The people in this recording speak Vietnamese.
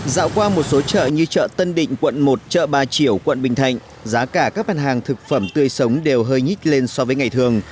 dạo qua một số chợ như chợ tân định quận một chợ ba triều quận bình thạnh giá cả các mặt hàng thực phẩm tươi sống đều hơi nhích lên so với ngày thường